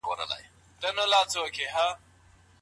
د ډوډۍ په محلونو کي ممکنه بې نظمي څه رامنځته کوي؟